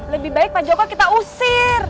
lebih baik pak joko kita usir